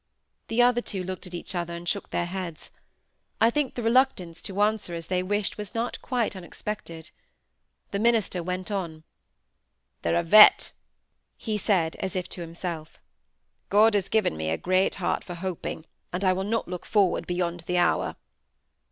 The other two looked at each other, and shook their heads. I think the reluctance to answer as they wished was not quite unexpected. The minister went on "There are yet" he said, as if to himself. "God has given me a great heart for hoping, and I will not look forward beyond the hour."